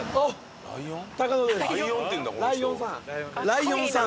ライオンさん？